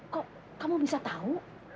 kok kamu bisa tahu